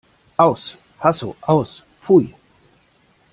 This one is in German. Aus! Hasso Aus! Pfui!